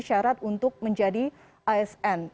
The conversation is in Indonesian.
syarat untuk menjadi asn